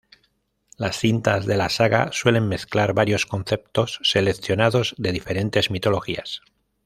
Las cintas de la saga suelen mezclar varios conceptos seleccionados de diferentes mitologías.